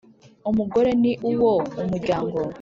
Umugore ni uwo umuryango.